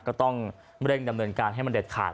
ก็ต้องเร่งดำเนินการให้มันเด็ดขาด